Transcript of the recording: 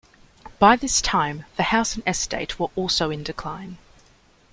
By this time the house and estate were also in decline.